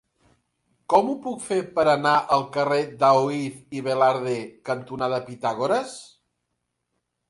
Com ho puc fer per anar al carrer Daoíz i Velarde cantonada Pitàgores?